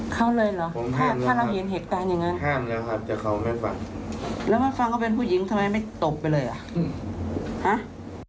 ดรศัลค์แล้วมันฟังเขาเป็นผู้หญิงทำไมมันไม่ตบไปเลยหรอ